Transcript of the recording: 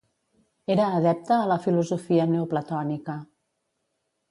Era adepte a la filosofia neoplatònica.